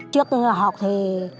trước học thì